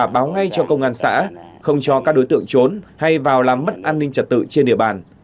báo ngay cho công an xã không cho các đối tượng trốn hay vào làm mất an ninh trật tự trên địa bàn